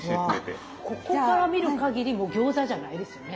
ここから見るかぎりもう餃子じゃないですよね。